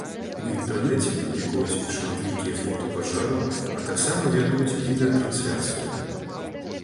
У інтэрнэце публікуюць шматлікія фота пажару, а таксама вядуць відэатрансляцыю.